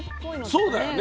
そうだよね。